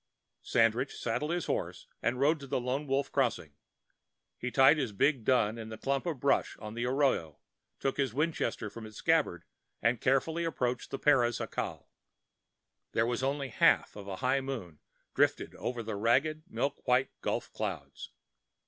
Sandridge saddled his horse and rode to the Lone Wolf Crossing. He tied his big dun in a clump of brush on the arroyo, took his Winchester from its scabbard, and carefully approached the Perez jacal. There was only the half of a high moon drifted over by ragged, milk white gulf clouds.